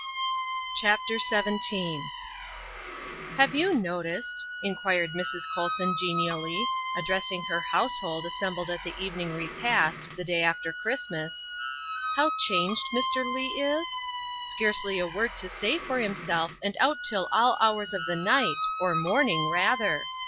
172 THE WIFE OF XVII " HAVE you noticed," inquired Mrs. Colson genially, addressing her household assembled at the evening re past, the day after Christmas, " how changed Mr. Leigh is? Scarcely a word to say for himself and out till all hours of the night or morning, rather.